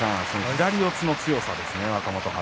左四つの強さですね。